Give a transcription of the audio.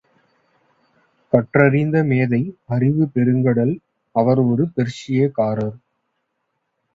கற்றறிந்த மேதை அறிவுப்பெருங்கடல் அவர் ஒரு பெர்ஷியக்காரர்.